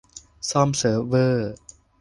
ซ่อมเซิร์ฟเวอร์